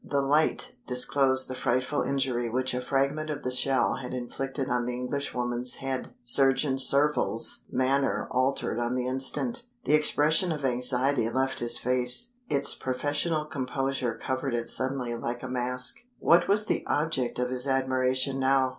The light disclosed the frightful injury which a fragment of the shell had inflicted on the Englishwoman's head. Surgeon Surville's manner altered on the instant. The expression of anxiety left his face; its professional composure covered it suddenly like a mask. What was the object of his admiration now?